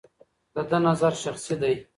د ده نظر شخصي دی.